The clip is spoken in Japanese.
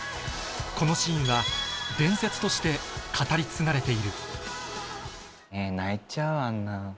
このシーンは伝説として語り継がれている泣いちゃうあんなの。